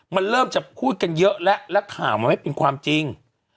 มันเริ่มจะพูดกันเยอะแล้วแล้วข่าวมันไม่เป็นความจริง